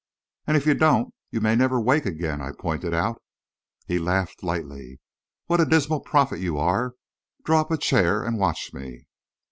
"And if you don't, you may never wake again," I pointed out. He laughed lightly. "What a dismal prophet you are! Draw up a chair and watch me."